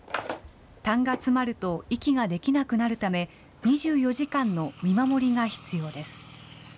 たんが詰まると息ができなくなるため、２４時間の見守りが必要です。